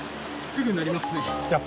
すぐ鳴りますね。